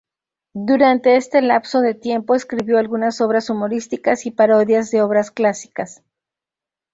Durante este lapso de tiempo escribió algunas obras humorísticas y parodias de obras clásicas.